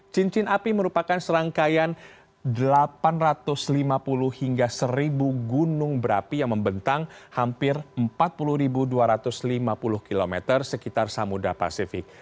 cincin api merupakan serangkaian delapan ratus lima puluh hingga seribu gunung berapi yang membentang hampir empat puluh dua ratus lima puluh km sekitar samudera pasifik